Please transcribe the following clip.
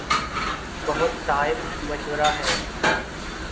بہت صائب مشورہ ہے۔